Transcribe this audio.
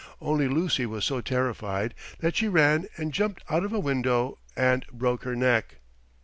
Only Lucy was so terrified that she ran and jumped out of a window and broke her neck.